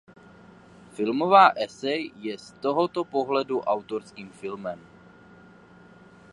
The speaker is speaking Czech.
Filmová esej je z tohoto pohledu autorským filmem.